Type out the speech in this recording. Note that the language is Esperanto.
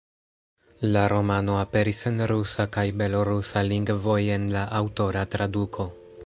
La romano aperis en rusa kaj belorusa lingvoj en la aŭtora traduko.